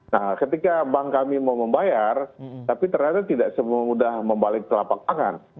nah ketika bank kami mau membayar tapi ternyata tidak semudah membalik telapak tangan